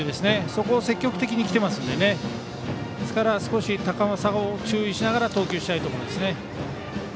そこを積極的に来てますので少し高さに注意しながら投球したいところですね。